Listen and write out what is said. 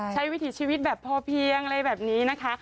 ใช้วิถิชีวิตแบบพ่อเพี้ยงแบบนี้นะคะ